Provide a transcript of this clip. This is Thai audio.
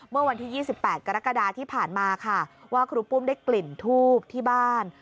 เมื่อวันที่๒๘กรกฎาที่ผ่านมาค่ะว่าครูปุ้มได้กลิ่นทูบที่บ้าน